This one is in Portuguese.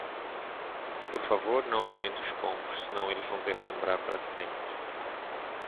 Por favor, não alimente os pombos, senão eles vão te assombrar para sempre!